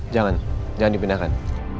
jangan jangan dipindahkan